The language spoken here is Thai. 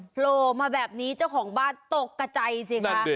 โผล่มาแบบนี้เจ้าของบ้านตกกระใจสิคะ